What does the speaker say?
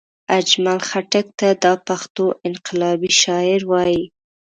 اجمل خټګ ته دا پښتو انقلابي شاعر وايي